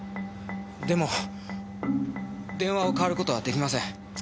でも電話を代わる事はできません。